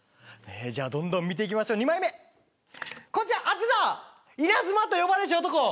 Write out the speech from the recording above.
じゃあ、どんどん見ていきましょう２枚目こちらあっ、出た稲妻と呼ばれし男。